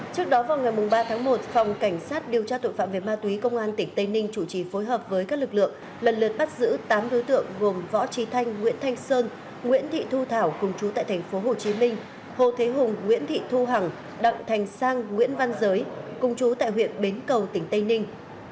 trước đó vào ngày ba tháng một phòng cảnh sát điều tra tội phạm về ma túy công an tỉnh tây ninh chủ trì phối hợp với các lực lượng lần lượt bắt giữ tám đối tượng gồm võ trí thanh nguyễn thanh sơn nguyễn thị thu thảo cùng chú tại tp hcm hồ thế hùng nguyễn thị thu hằng đặng thành sang nguyễn văn giới cùng chú tại huyện bến cầu tỉnh tây ninh